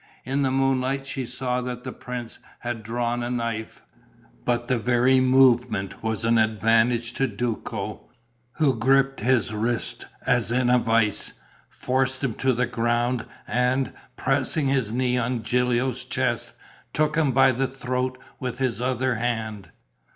In the moonlight she saw that the prince had drawn a knife. But the very movement was an advantage to Duco, who gripped his wrist as in a vice, forced him to the ground and, pressing his knee on Gilio's chest, took him by the throat with his other hand.